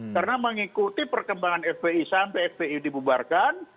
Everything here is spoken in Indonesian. karena mengikuti perkembangan fpi sampai fpi dibubarkan